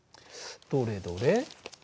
どれどれ。